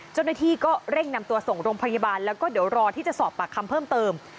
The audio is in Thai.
เจ้าหน้าที่ก็เร่งนำตัวส่งโรงพยาบาลแล้วก็เดี๋ยวรอที่จะสอบปากคำเพิ่มเติม